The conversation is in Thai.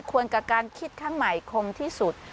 ควรกับการคิดขั้นใหม่คมที่สุด